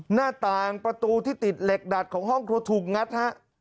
หน้าต่างประตูที่ติดเหล็กดัดของห้องครัวถูกงัดฮะ